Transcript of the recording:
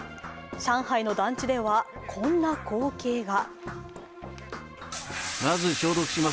上海の団地では、こんな光景が。